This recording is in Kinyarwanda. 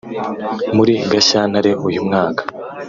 muri Gashyantare uyu mwaka